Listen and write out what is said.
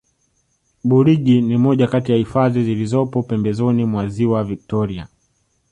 burigi ni moja Kati ya hifadhi zilizopo pembezoni mwa ziwa victoria